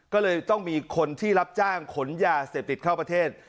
ก็เลยต้องมีคนที่รับจ้างขนยาเสพติดเข้าประเทศ